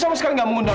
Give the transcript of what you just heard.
siapa yang telfon kak